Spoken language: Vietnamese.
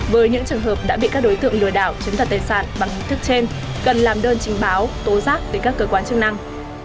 với những trường hợp đã bị các đối tượng lừa đảo chứng tật tài sản bằng hình thức trên cần làm đơn trình báo tố giác với các cơ quan chức năng